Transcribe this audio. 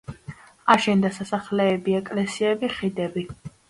აშენდა სასახლეები, ეკლესიები, ხიდები.